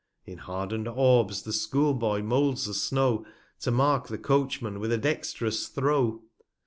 In harden'd Orbs the School boy moulds the Snow, To mark the Coachman with a dextrous Throw.